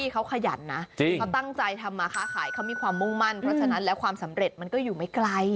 เขาขยันนะเขาตั้งใจทำมาค้าขายเขามีความมุ่งมั่นเพราะฉะนั้นแล้วความสำเร็จมันก็อยู่ไม่ไกล